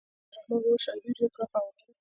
د عبدالرحمان بابا شاعري ډیره پراخه او عامه ده.